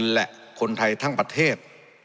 และคนไทยทั้งประเทศ